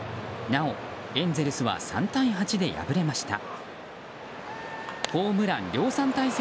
なお、エンゼルスは３対８で敗れました。